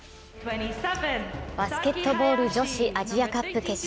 バスケットボール女子アジアカップ決勝。